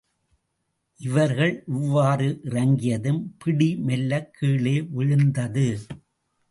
இவர்கள் இவ்வாறு இறங்கியதும், பிடி மெல்லக் கீழே வீழ்ந்தது.